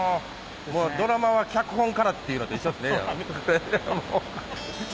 もうドラマは脚本からっていうのと一緒ですね。